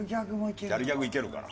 ギャルギャグいけるから。